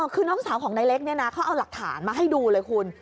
คือน้องสาวของนายเล็กเนี่ยนะเขาเอาหลักฐานมาให้ดูเลยคุณ